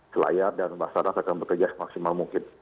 ke layar dan mas aras akan bekerja semaksimal mungkin